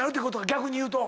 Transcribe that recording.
逆に言うと。